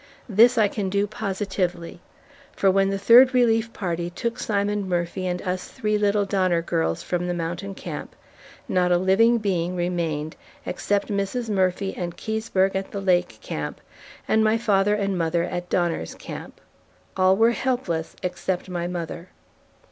This I can do positively, for when the Third Relief Party took Simon Murphy and us "three little Donner girls" from the mountain camp, not a living being remained, except Mrs. Murphy and Keseberg at the lake camp, and my father and mother at Donner's Camp. All were helpless except my mother.